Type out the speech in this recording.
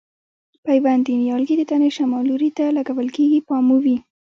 پیوند د نیالګي د تنې شمال لوري ته لګول کېږي پام مو وي.